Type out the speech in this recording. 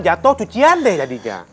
jatuh cucian deh jadinya